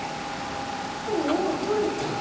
おとれた！